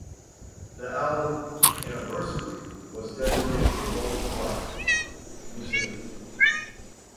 The album, "Anniversary", was dedicated to Roland's wife, Michaeline.